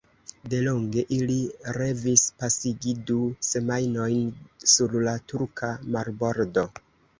Delonge ili revis pasigi du semajnojn sur la turka marbordo.